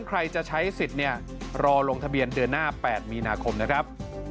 ใครจะใช้สิทธิ์เนี่ยรอลงทะเบียนเดือนหน้า๘มีนาคมนะครับ